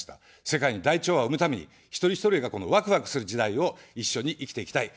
世界に大調和を生むために、一人一人が、このわくわくする時代を一緒に生きていきたい。